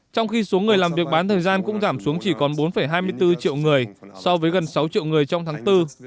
trong khi số người làm việc bán thời gian cũng giảm xuống chỉ còn bốn hai mươi bốn triệu người so với gần sáu triệu người trong tháng bốn